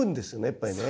やっぱりね。